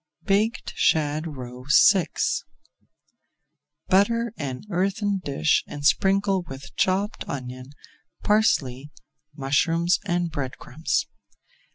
BAKED SHAD ROE VI Butter an earthen dish and sprinkle with chopped onion, parsley, mushrooms, and bread crumbs.